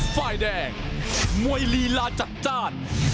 ไฟล์แดงมวยลีลาจัด